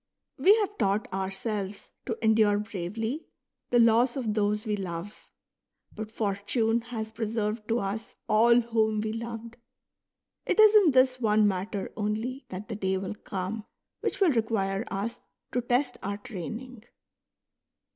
We have taught ourselves to endure bravely the loss of those we love ; but Fortune has preserved to us all whom we loved. It is in this one matter only that the day will come which will require us to test our training.